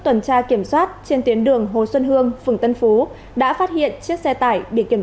tuần tra kiểm soát trên tuyến đường hồ xuân hương phường tân phú đã phát hiện chiếc xe tải bị kiểm